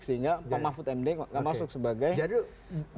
sehingga pak mahfud md gak masuk sebagai cowok pres